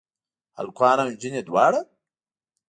هلکان او انجونې دواړه؟